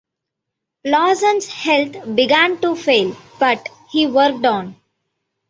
Lawson's health began to fail, but he worked on.